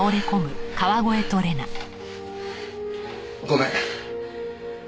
ごめん。